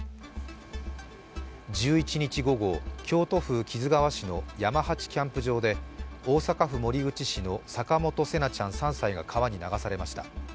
１１日午後、京都府木津川市の山八キャンプ場で大阪府守口市の坂本聖凪ちゃん３歳が川に流されました。